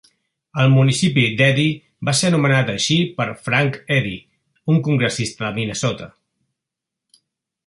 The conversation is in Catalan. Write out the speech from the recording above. El municipi d'Eddy va ser anomenat així per Frank Eddy, un congressista de Minnesota.